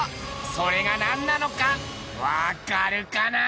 それがなんなのかわかるかな？